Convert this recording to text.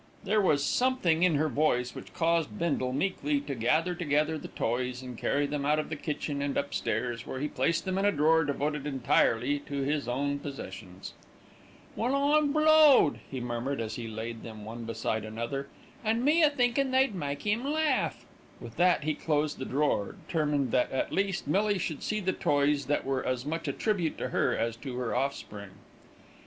There was something in her voice which caused Bindle meekly to gather together the toys and carry them out of the kitchen and upstairs, where he placed them in a drawer devoted entirely to his own possessions. "Well, I'm blowed," he murmured, as he laid them one beside another. "And me a thinkin' they'd make 'im laugh;" with that he closed the drawer, determined that, at least, Millie should see the toys that were as much a tribute to her as to her offspring.